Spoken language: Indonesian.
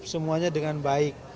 semuanya dengan baik